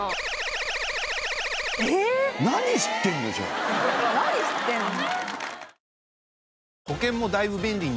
何知ってるの？